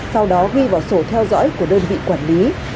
sau đó ghi vào sổ theo dõi của đơn vị quản lý